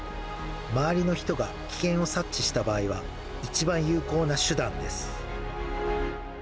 周りの人が危険を察知した場合は、一番有効な手段です。